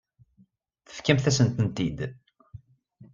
Tefkamt-asent-tent-id.